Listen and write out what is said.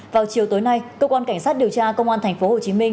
vào chiều tối nay cơ quan cảnh sát điều tra công an thành phố hồ chí minh